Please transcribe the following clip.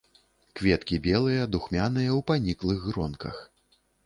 Кветкі белыя, духмяныя, у паніклых гронках.